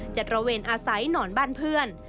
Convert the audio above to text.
ตระเวนอาศัยนอนบ้านเพื่อน